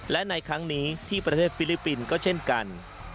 และในครั้งนี้ที่ประเทศฟิลิปปินส์ก็เช่นกัน